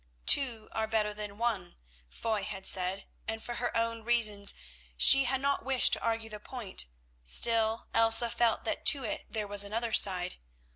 "Two are better than one," Foy had said, and for her own reasons she had not wished to argue the point, still Elsa felt that to it there was another side.